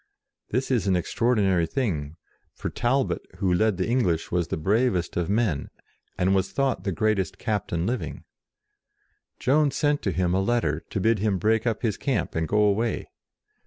This is an extraordinary thing, for Talbot, who led the English, was the bravest of men, and was thought the greatest captain living. Jeanne sent to him a letter to bid him break up his camp and go away.